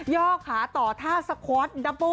ยอกขาต่อท่าสควอร์ธดับโบ้